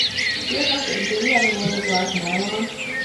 Dear husband: Do we have a little black nylon?